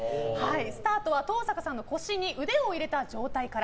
スタートは登坂さんの腰に腕を入れた状態から。